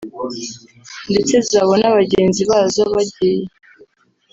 ndetse zabona bagenzi bazo bagiye